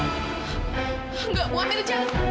enggak bu amira jangan